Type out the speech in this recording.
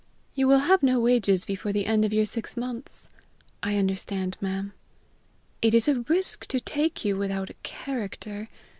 "You will have no wages before the end of your six months." "I understand, ma'am." "It is a risk to take you without a character."